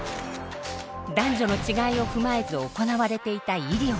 男女の違いを踏まえず行われていた医療。